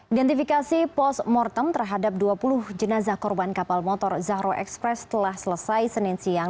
identifikasi post mortem terhadap dua puluh jenazah korban kapal motor zahro express telah selesai senin siang